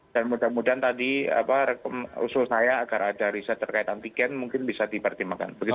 dan mudah mudahan tadi apa usul saya agar ada riset terkait antigen mungkin bisa dipertimbangkan